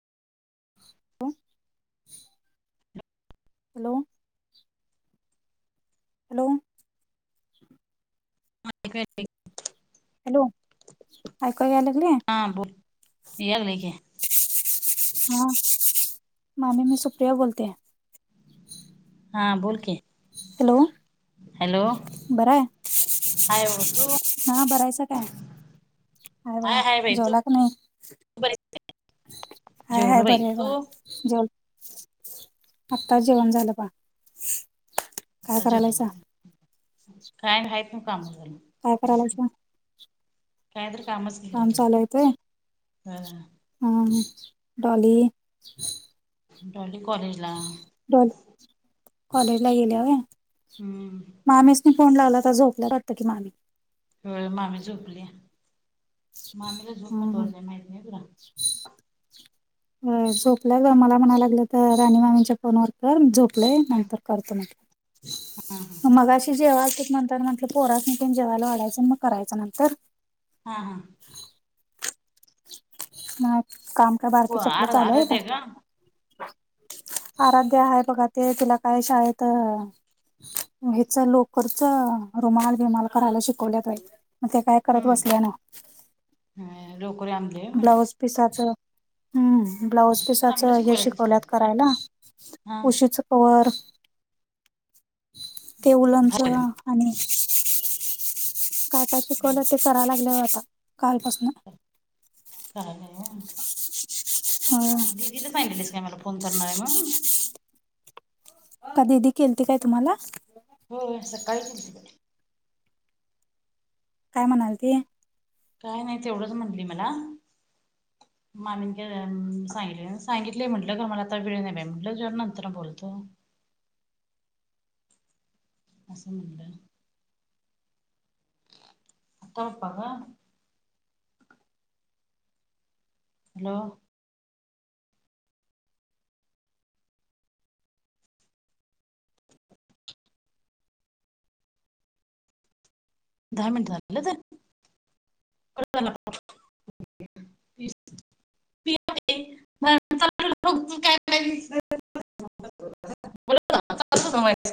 Hello! Hello! [unintelligible] Hello ऐकाय या लागलय? बोल यागले की हा मामी मी सुप्रिया बोलतीया. हा बोल की! हॅलो! हॅलो! बरं आहे हाय हो तू हा बर आहेसा काय? आहे बघा हाय हाय बाई तू जेवला का नाही? बर हाय हाय जेवलो बाई! बरे आहे तू? बघा जेव, आत्ताच जेवण झालं पाहा. आत्ता जेवला, काय नाहीत कामा झाली? काय करायलासा? कायतरी कामच की काम घरातली हा! हम डॉली डॉली कॉलेजला! कॉलेजला गेलिया होय? हम्म! मामीसनी फोन लावला आता झोपल्या वाटतंय की मामी. होय मामी झोपलीया, मामीला हा झोप हा महत्त्वाची आहे माहती नाही होय तुला? होय झोपल्यात होय मला म्हणाय लागल्यात राणी मामीच्या फोनवर कर मी झोप लोय नंतर करतो म्हने. हा हा! मगाशी जेवाय आलतेत म्हणताना म्हटलं पोरास्नी पण जेवायला वाढायं मग कयचं नंतर. हा! मग काम का हो बारकीेच्या आपलं आर चालू आहे का? आराध्या आराध्य्या आहे बघा ते तिला काय शाळेत हच लोकरच रुमाल बीमाल करायला शिकवलय काय तर. मग ते काय करत बसलीया ना. होय लोकर आणली होय? ब्लाऊज पिसाचं हम्म, ब्लाउज पिसाच चांगलं हे शिकवायला शिकवल्यात शाळेत करायला हा उशीच कवर, ते उलंच आणि काय काय शिकवलं ते करायला लागल्या आता कालपासून. करायलीया होय, अ दि दी ला सांगितलेलंस काय मला फोन करणार आहे म्हणून? का दिदी केलते काय तुम्हाला? होय सकाळी कीलती बाई. काय म्हणाल ती? काय नाही ते एवढंच म्हटली मला. [inaudible] मामीन काय सांगितले काय, सांगितलंय म्हटलं खर मला आता वेळ नाही बाई म्हटलं जर नंतर बोलतो. असं म्हणलं. आता होता का? हॅलो! दहा मिनट झालं तर कट झाला फोन. [unintelligible]